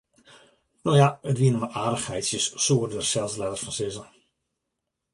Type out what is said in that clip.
No ja, it wiene mar aardichheidsjes, soe er der sels letter fan sizze.